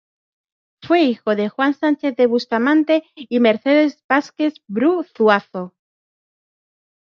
Fue hijo de Juan Sánchez de Bustamante y Mercedes Vásquez-Bru Zuazo.